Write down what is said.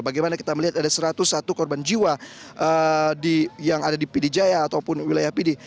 bagaimana kita melihat ada satu ratus satu korban jiwa yang ada di pidijaya ataupun wilayah pidi